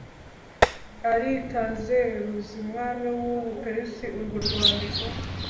Aritazeruzi umwami w u Buperesi urwo rwandiko